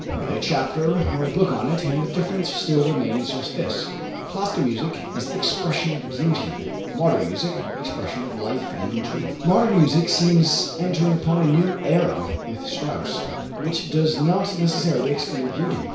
Write a chapter or a book on it, and the difference still remains just this: Classical music is the expression of beauty; modern music the expression of life and truth. Modern music seems entering upon a new era with Strauss, which does not necessarily exclude beauty.